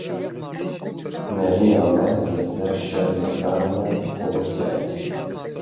Nêrîna me li ser şerê Ukrayna û Rûsyayê.